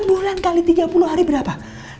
enam bulan kali tiga puluh hari berapa